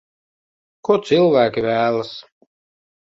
Ko cilvēki vēlas.